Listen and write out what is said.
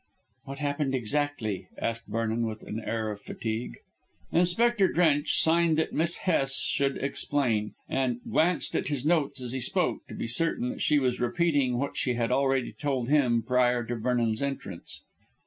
"What happened exactly?" asked Vernon with an air of fatigue. Inspector Drench signed that Miss Hest should explain, and glanced at his notes as she spoke, to be certain that she was repeating what she had already told him prior to Vernon's entrance.